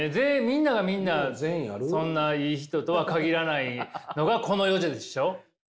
みんながみんなそんないい人とは限らないのがこの世でしょ？